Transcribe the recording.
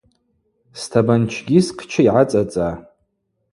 Стабанчгьи схъчы йгӏацӏацӏа.